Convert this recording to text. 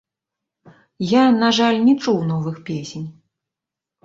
Я, на жаль, не чуў новых песень.